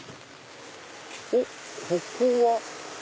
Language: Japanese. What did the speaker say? おっここは。